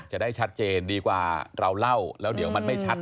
จะได้ชัดเจนดีกว่าเราเล่าแล้วเดี๋ยวมันไม่ชัด